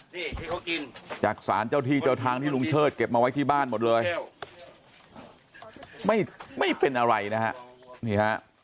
นี่ที่เขากินจากสารเจ้าที่เจ้าทางที่ลุงเชิดเก็บมาไว้ที่บ้านหมดเลยไม่ไม่เป็นอะไรนะฮะนี่ฮะ